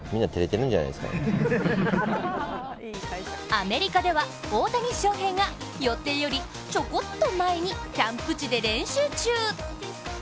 アメリカでは大谷翔平が予定よりチョコっと前にキャンプ地で練習中。